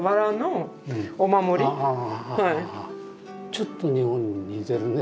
ちょっと日本に似てるね。